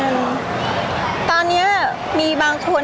พี่ตอบได้แค่นี้จริงค่ะ